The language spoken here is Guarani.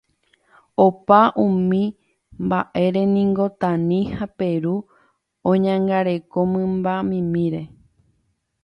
Opa umi mba'éreniko Tani ha Peru oñangareko mymbamimíre.